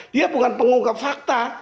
dia bukan pengungkap fakta